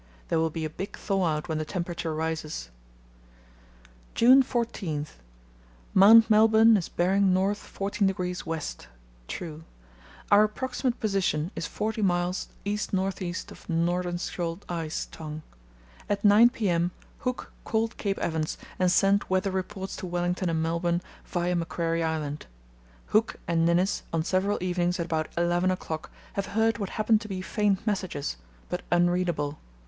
There will be a big thaw out when the temperature rises. "June 14.—Mount Melbourne is bearing north 14° W (true). Our approximate position is forty miles east north east of Nordenskjold Ice Tongue. At 9 p.m. Hooke called Cape Evans and sent weather reports to Wellington and Melbourne via Macquarie Island. Hooke and Ninnis on several evenings at about 11 o'clock have heard what happened to be faint messages, but unreadable.